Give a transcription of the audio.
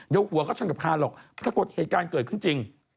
เดี๋ยวหัวเขาชนกับคานหรอกปรากฏเหตุการณ์เกิดขึ้นจริง